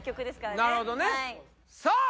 なるほどねさあ